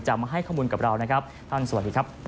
มาให้ข้อมูลกับเรานะครับท่านสวัสดีครับ